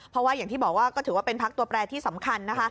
เพราะว่าอย่างที่บอกว่าก็ถือว่าเป็นพักตัวแปรที่สำคัญนะคะ